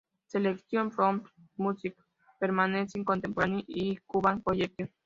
Selections from the Museum of Art’s Permanent Contemporary Cuban Collection".